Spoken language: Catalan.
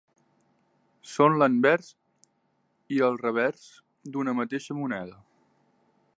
Són l'anvers i el revers d'una mateixa moneda.